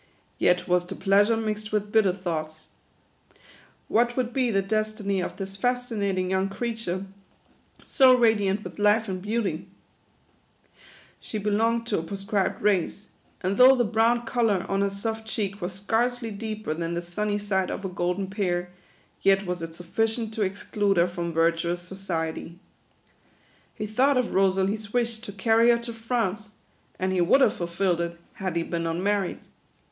Yet was the pleasure mixed with bitter thoughts. What would be the des tiny of this fascinatkfg young creature, so radiant with life and beauty ? She belonged to a proscribed race ; and though the brown colour on her soft cheek was scarcely deeper than the sunny side of a golden pear, yet was it sufficient to exclude her from virtuous so ciety. He thought of Rosalie's wish to carry her to France : and he would have fulfilled it, had he been unmarried.